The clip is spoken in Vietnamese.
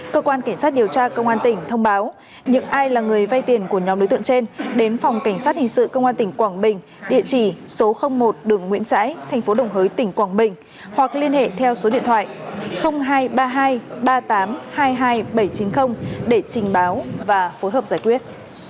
cơ quan cảnh sát điều tra công an tỉnh thông báo những ai là người vay tiền của nhóm đối tượng trên đến phòng cảnh sát hình sự công an tỉnh quảng bình địa chỉ số một đường nguyễn trãi tp đồng hới tỉnh quảng bình hoặc liên hệ theo số điện thoại hai trăm ba mươi hai ba mươi tám hai mươi hai bảy trăm chín mươi để trình báo và phối hợp giải quyết